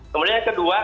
kemudian kedua kami